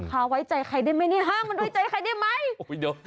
ค่ะไว้ใจใครได้ไหมเนี่ยห้ามมาด้วยใจใครได้ไหมโอ้โหเดี๋ยว